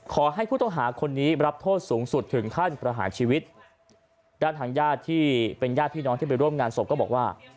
ขอให้ผู้ต้องหาคนนี้รับโทษสูงสุดถึงขั้นประหารชีวิตด้านทางญาติที่เป็นญาติพี่น้องที่ไปร่วมงานศพก็บอกว่า